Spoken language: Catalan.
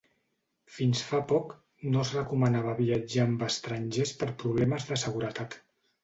Fins fa poc, no es recomanava viatjar amb estrangers per problemes de seguretat.